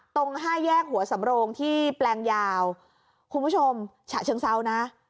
ตรงห้าแยกหัวสำโรงที่แปลงยาวคุณผู้ชมฉะเชิงเซานะ